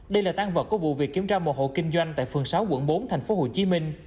đây là tăng vật của vụ việc kiểm tra mồ hộ kinh doanh tại phường sáu quận bốn tp hcm